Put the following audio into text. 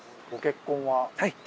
はい。